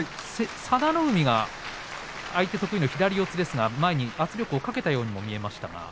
佐田の海が相手得意の左四つですが、前に圧力をかけたように見えました。